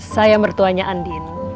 saya mertuanya andin